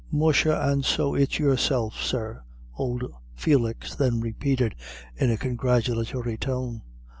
"Musha, and so it's yourself, sir," old Felix then repeated, in a congratulatory tone.